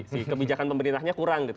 si kebijakan pemerintahnya kurang gitu